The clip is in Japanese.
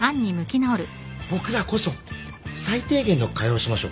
僕らこそ最低限の会話はしましょう。